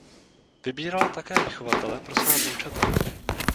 Vybírala také vychovatele pro svá vnoučata.